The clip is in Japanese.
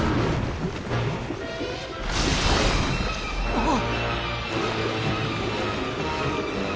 あっ！？